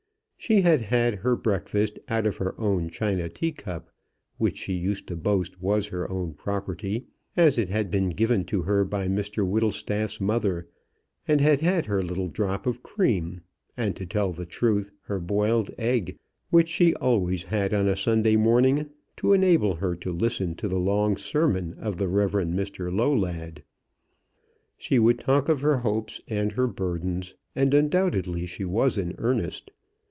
She had had her breakfast out of her own china tea cup, which she used to boast was her own property, as it had been given to her by Mr Whittlestaff's mother, and had had her little drop of cream, and, to tell the truth, her boiled egg, which she always had on a Sunday morning, to enable her to listen to the long sermon of the Rev Mr Lowlad. She would talk of her hopes and her burdens, and undoubtedly she was in earnest.